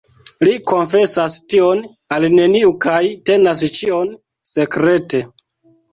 Li konfesas tion al neniu kaj tenas ĉion sekrete.